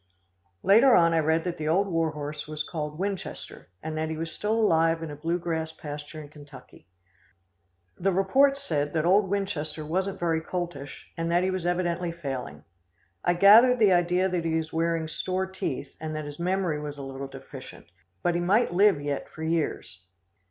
Later on I read that the old war horse was called Winchester and that he was still alive in a blue grass pasture in Kentucky. The report said that old Winchester wasn't very coltish, and that he was evidently failing. I gathered the idea that he was wearing store teeth, and that his memory was a little deficient, but that he might live yet for years.